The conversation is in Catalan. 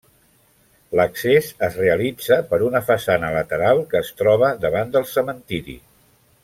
L'accés es realitza per una façana lateral que es troba davant del cementiri.